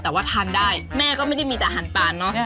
แต่ว่าทานได้แม่ก็ไม่ได้มีแต่อาหารตาลเนอะ